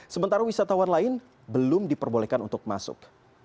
sementara wisatawan lain belum diperbolehkan untuk masuk